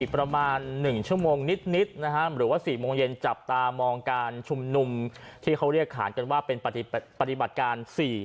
ประมาณ๑ชั่วโมงนิดหรือว่า๔โมงเย็นจับตามองการชุมนุมที่เขาเรียกขานกันว่าเป็นปฏิบัติการ๔